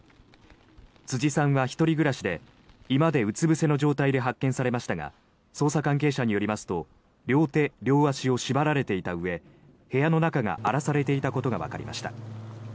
辻さんは１人暮らしで居間でうつぶせの状態で発見されましたが捜査関係者によりますと両手両足を縛られていたうえ部屋の中が荒らされていたことがわかりました。